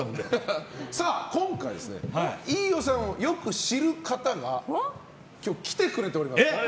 さあ今回飯尾さんをよく知る方が今日来てくれております。